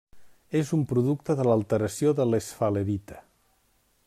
És un producte de l'alteració de l'esfalerita.